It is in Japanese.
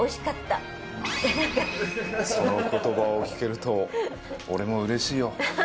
その言葉を聞けると俺もうれしいよ。